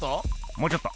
もうちょっと。